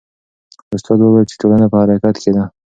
استاد وویل چې ټولنه په حرکت کې ده.